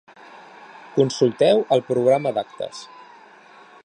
Consulteu el programa d’actes.